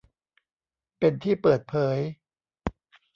เป็นที่เปิดเผย